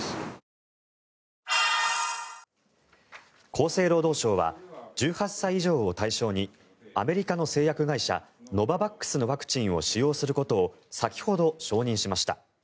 厚生労働省は１８歳以上を対象にアメリカの製薬会社ノババックスのワクチンを使用することを先ほど承認しました。